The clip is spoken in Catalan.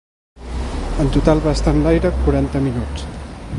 En total va estar en l’aire quaranta minuts.